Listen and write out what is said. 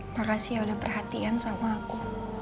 makasih ya udah perhatian sama aku